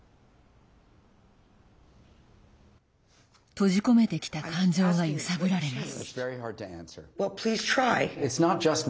閉じ込めてきた感情が揺さぶられます。